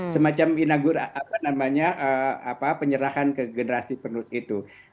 semacam inagur apa namanya penyerahan ke generasi penuh itu